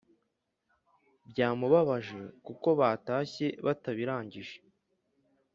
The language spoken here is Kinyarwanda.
bya mubabaje kuko batashye batabirangije